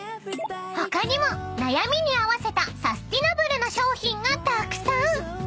［他にも悩みに合わせたサスティナブルな商品がたくさん］